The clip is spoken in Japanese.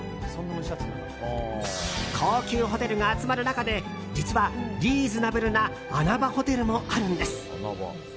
高級ホテルが集まる中で実は、リーズナブルな穴場ホテルもあるんです。